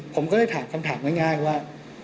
ผมก็เลยถามคำถามง่ายว่า